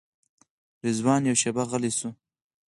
رضوان یوه شېبه غلی شو.